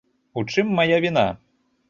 У чым мая віна?